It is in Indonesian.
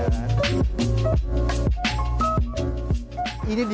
terima kasih redingo